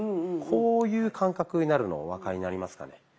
こういう感覚になるのお分かりになりますかね。